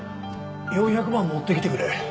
４００万持ってきてくれ。